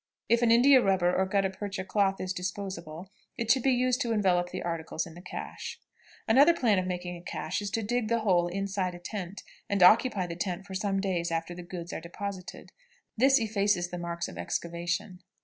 If an India rubber or gutta percha cloth is disposable, it should be used to envelop the articles in the caché. Another plan of making a caché is to dig the hole inside a tent, and occupy the tent for some days after the goods are deposited. This effaces the marks of excavation.